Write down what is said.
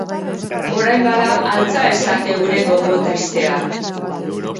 Orain, bada, altxa ezak heure gogo tristea.